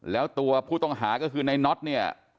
แล้วตัวผู้ต้องหาก็คือในน็อตเนี่ย